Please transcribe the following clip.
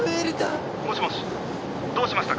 「もしもしどうしましたか？」